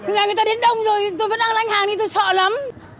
ngày này người ta đến đông rồi tôi vẫn đang lanh hàng đi tôi sợ lắm